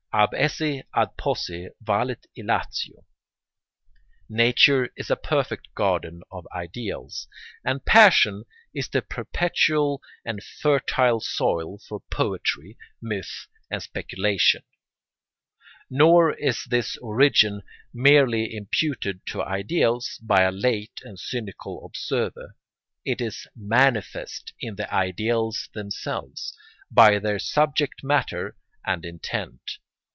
Ab esse ad posse valet illatio. Nature is a perfect garden of ideals, and passion is the perpetual and fertile soil for poetry, myth, and speculation. Nor is this origin merely imputed to ideals by a late and cynical observer: it is manifest in the ideals themselves, by their subject matter and intent.